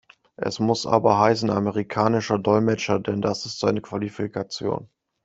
Es muss aber heißen 'amerikanischer Dolmetscher', denn das ist seine Qualifikation.